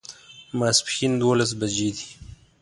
ماسپښین دوولس بجې دي